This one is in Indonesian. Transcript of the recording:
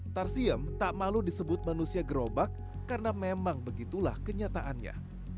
tarsiem tak malu disebut manusia gerobak karena memang begitulah kenyataannya